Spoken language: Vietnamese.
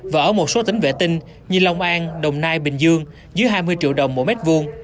và ở một số tính vệ tinh như long an đồng nai bình dương dưới hai mươi triệu đồng mỗi mét vuông